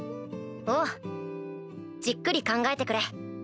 おうじっくり考えてくれ。